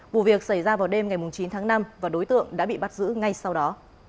vụ việc xảy ra vào đêm ngày chín tháng năm và đối tượng đã bị bắt giữ ngay sau đó